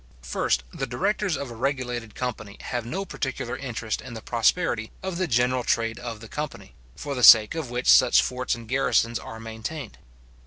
First, the directors of a regulated company have no particular interest in the prosperity of the general trade of the company, for the sake of which such forts and garrisons are maintained.